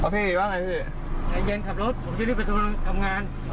เริ่มชอบยัง